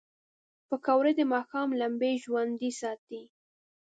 پکورې د ماښام لمبې ژوندۍ ساتي